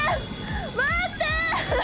待って！